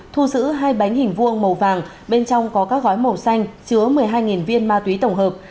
thu giữ hai bánh hình vuông màu vàng bên trong có các gói màu xanh chứa một mươi hai viên ma túy tổng hợp